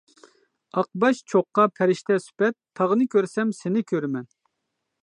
ئاقباش چوققا پەرىشتە سۈپەت، تاغنى كۆرسەم سېنى كۆرىمەن.